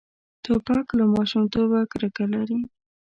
توپک له ماشومتوبه کرکه لري.